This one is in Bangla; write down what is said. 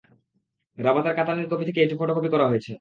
রাবাতের কাতানীর কপি থেকে এটি ফটো কপি করা হয়েছে।